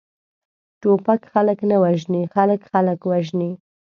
ټوپک خلک نه وژني، خلک، خلک وژني!